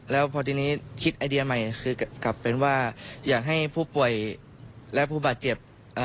แล้วพอทีนี้คิดไอเดียใหม่คือกลับเป็นว่าอยากให้ผู้ป่วยและผู้บาดเจ็บ